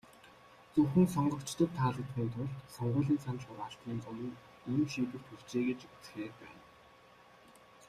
Зөвхөн сонгогчдод таалагдахын тулд, сонгуулийн санал хураалтын өмнө ийм шийдвэрт хүрчээ гэж үзэхээр байна.